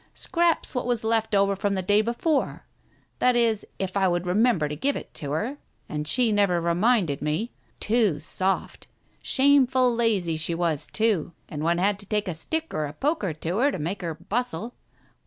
" Scraps what was left over from the day before. That is, if I would remember to give it her, and she never re minded me. Too soft, shameful lazy she was, too, and one had to take a stick or a poker to her to make her bustle.